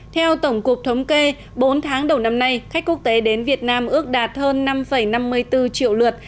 theo tổng cục thống kê bốn tháng đầu năm nay khách quốc tế đến việt nam ước đạt hơn năm năm mươi bốn triệu lượt